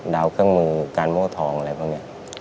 ดาวเครื่องมือการโม่ทองอะไรพวกนี้